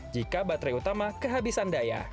jika baterai utama kehabisan daya